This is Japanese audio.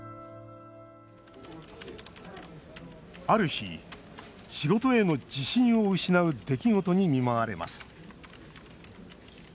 ある日、仕事への自信を失う出来事に見舞われます。